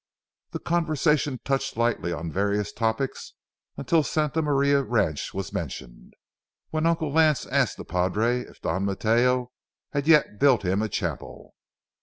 The conversation touched lightly on various topics, until Santa Maria ranch was mentioned, when Uncle Lance asked the padre if Don Mateo had yet built him a chapel.